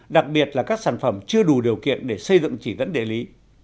đặc biệt là các sản phẩm chưa đủ điều kiện để xây dựng chỉ dẫn địa lý